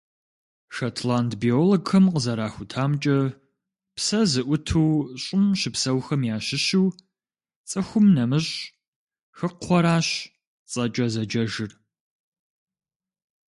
Шотланд биологхэм къызэрахутамкӏэ, псэ зыӏуту Щӏым щыпсэухэм ящыщу цӏыхум нэмыщӏ хыкхъуэращ цӏэкӏэ зэджэжыр.